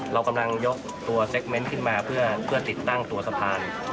เรากำลังยกตัวเซ็กเมนต์ขึ้นมาเพื่อติดตั้งตัวสะพาน